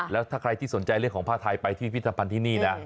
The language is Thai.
แล้วถ้าใครที่สนใจเรื่องของผ้าไทยไปที่พิธภัณฑ์ที่นี่นะ